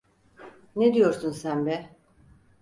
Ne diyorsun sen be?